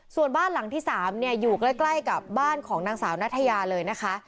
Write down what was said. ส่วนบ้านหลังที่๓อยู่ใกล้กับบ้านของนางสาวนัทยาเลยนะคะ